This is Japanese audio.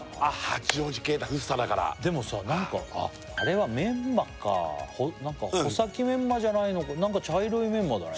八王子系だ福生だからでもさ何かあっあれはメンマか何か穂先メンマじゃないの何か茶色いメンマだね